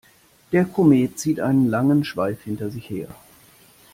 Der Komet zieht einen langen Schweif hinter sich her.